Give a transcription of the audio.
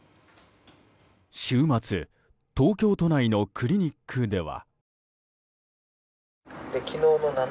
週末東京都内のクリニックでは。